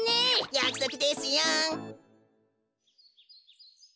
やくそくですよ。